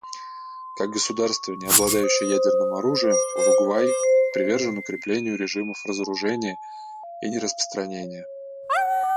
Как государство, не обладающее ядерным оружием, Уругвай привержен укреплению режимов разоружения и нераспространения.